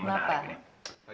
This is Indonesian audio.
selamat pagi pak